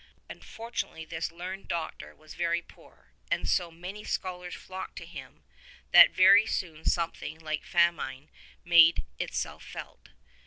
Unfortunately this learned Doctor was very poor and so many scholars flocked to him that very soon something like famine made itself felt.